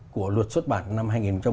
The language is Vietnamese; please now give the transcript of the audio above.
của luật xuất bản năm hai nghìn một mươi